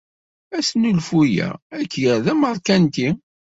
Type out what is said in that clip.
Asnulfu-ya ad k-yerr d ameṛkanti.